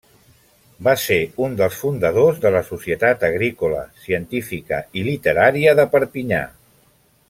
Va ser un dels fundadors de la Societat Agrícola, Científica i Literària de Perpinyà.